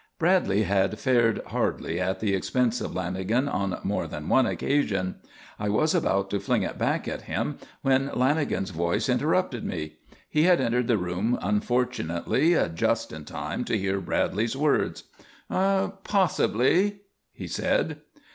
Bradley had fared hardly at the expense of Lanagan on more than one occasion. I was about to fling it back at him when Lanagan's voice interrupted me. He had entered the room unfortunately just in time to hear Bradley's words. "Possibly," he said.